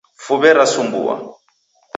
Fuwe rasumbua.